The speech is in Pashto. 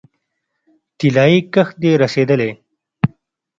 طلايي کښت دې رسیدلی